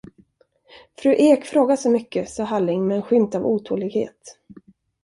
Fru Ek frågar så mycket, sade Halling med en skymt av otålighet.